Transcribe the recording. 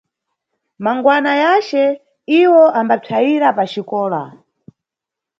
Mangwana yace, iwo ambapsayira paxikola.